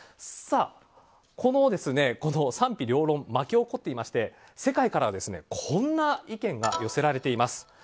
さあ、賛否両論巻き起こっていまして世界からはこんな意見が寄せられています。